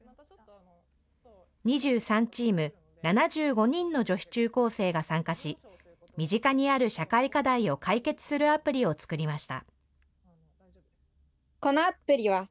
２３チーム７５人の女子中高生が参加し、身近にある社会課題を解決するアプリを作りました。